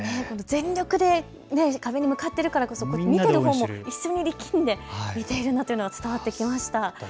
全力で壁に向かっているからこそ見ているほうも力んで見ているというのが伝わってきました。